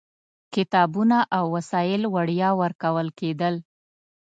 کتابونه او وسایل وړیا ورکول کېدل.